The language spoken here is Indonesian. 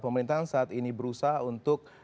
pemerintahan saat ini berusaha untuk